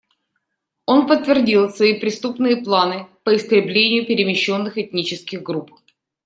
Он подтвердил свои преступные планы по истреблению перемещенных этнических групп.